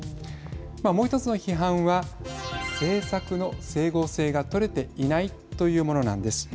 もう１つの批判は政策の整合性が取れていないというものなんです。